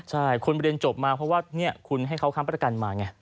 ใช่คุณไปเรียนจบมาเพราะว่าคุณให้เขาค้ำประกันมาไง